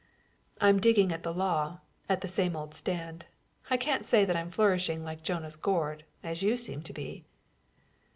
"I'm digging at the law, at the same old stand. I can't say that I'm flourishing like Jonah's gourd, as you seem to be."